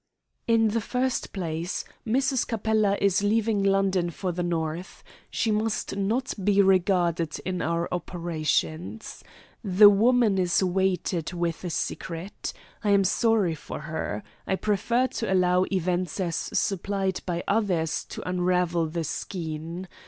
"In the first place, Mrs. Capella is leaving London for the North. She must not be regarded in our operations. The woman is weighted with a secret. I am sorry for her. I prefer to allow events as supplied by others to unravel the skein.